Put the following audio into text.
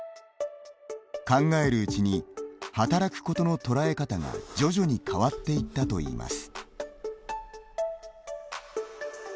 考えるうちに働くことのとらえ方が徐々に変わっていったといいます。